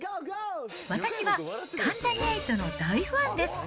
私は関ジャニ∞の大ファンです。